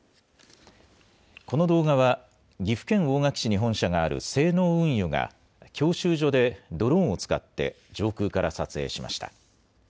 この動画は、岐阜県大垣市に本社がある西濃運輸が、教習所でドローンを使って上空から撮影しました。